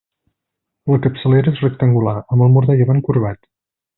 La capçalera és rectangular, amb el mur de llevant corbat.